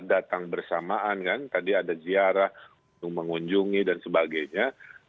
datang bersamaan kan tadi ada ziarah untuk mengunjungi dan sebagainya